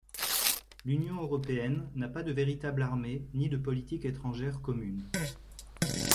L'Union européenne n'a pas de véritable armée ni de politique étrangère commune.